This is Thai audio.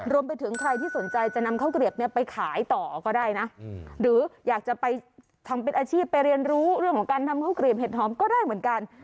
รวมไปถึงใครที่สนใจจะนำข้าวเกลียบเนี่ยไปขายต่อก็ได้นะหรืออยากจะไปทำเป็นอาชีพไปเรียนรู้เรื่องของการทำข้าวกรีบเห็ดหอมก็ได้เหมือนกัน